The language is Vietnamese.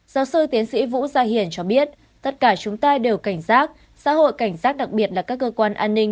giáo sư tiến sĩ vũ gia hiển cho biết tất cả chúng ta đều cảnh giác xã hội cảnh giác đặc biệt là các cơ quan an ninh